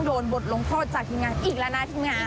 โดนบทลงโทรจากทิมงานอีกละนายทิมงาน